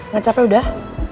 gak capek udah